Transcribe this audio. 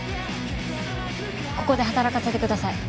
ここで働かせてください。